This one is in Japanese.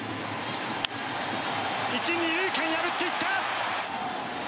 １、２塁間を破っていった。